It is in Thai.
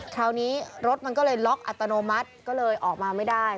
คราวนี้รถมันก็เลยล็อกอัตโนมัติก็เลยออกมาไม่ได้